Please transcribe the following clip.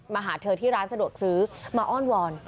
มาหาเธอที่ร้านสะดวกซื้อมาอ้อนวอน